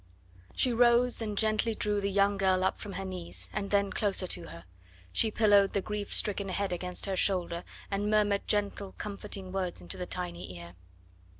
She rose and gently drew the young girl up from her knees, and then closer to her; she pillowed the grief stricken head against her shoulder, and murmured gentle, comforting words into the tiny ear.